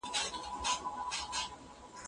هغې د تلویزیون په مړه رڼا کې یو علمي مطلب لوستلو.